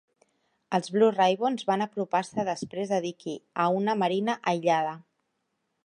Els Blue Ribbons van apropar-se després a Dickey a una marina aïllada.